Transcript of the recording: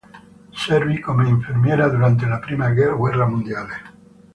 Servì come infermiera durante la prima guerra mondiale.